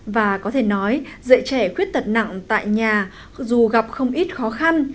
và có thể nói dạy trẻ khuyết tật nặng tại nhà dù gặp không ít khó khăn